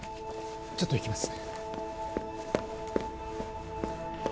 ちょっと行きます